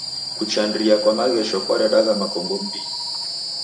Kuchandiriana kwa maghesho kwaredagha makongo m'mbinyi.